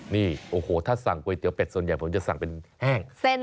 นี่โอ้โหถ้าสั่งก๋วยเตี๋เป็ดส่วนใหญ่ผมจะสั่งเป็นแห้งเส้น